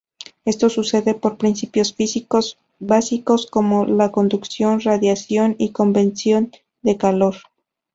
Esto sucede por principios físicos básicos como la conducción, radiación y convección del calor.